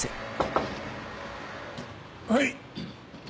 はい。